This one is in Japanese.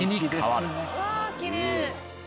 わあきれい。